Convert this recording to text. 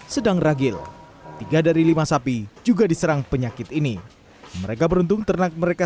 sedang ragil tiga dari lima sapi juga diserang penyakit ini mereka beruntung ternak mereka